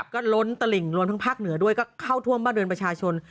ก็ล้นตลิ่งล้นทั้งภาคเหนือด้วยก็เข้าท่วมบ้านเรือนประชาชน